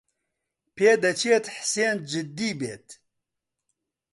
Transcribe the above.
پێدەچێت حسێن جددی بێت.